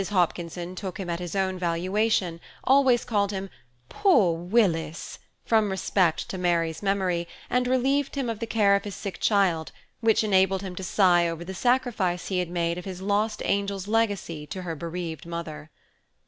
Hopkinson took him at his own valuation, always called him "poor Willis" from respect to Mary's memory, and relieved him of the care of his sick child, which enabled him to sigh over the sacrifice he had made of his lost angel's legacy to her bereaved mother.